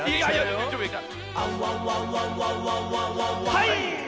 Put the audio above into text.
はい！